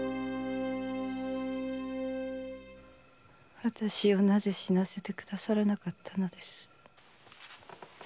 わたしをなぜ死なせてくださらなかったんです？